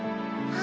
あ！